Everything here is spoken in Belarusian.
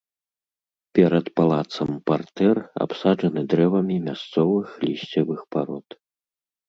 Перад палацам партэр, абсаджаны дрэвамі мясцовых лісцевых парод.